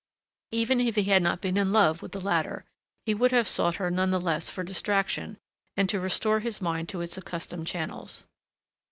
Even if he had not been in love with the latter, he would have sought her none the less for distraction, and to restore his mind to its accustomed channels.